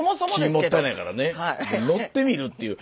木もったいないからね乗ってみるという。